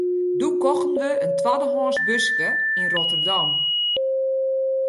Doe kochten we in twaddehânsk buske yn Rotterdam.